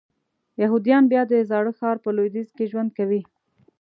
یهودیان بیا د زاړه ښار په لویدیځ کې ژوند کوي.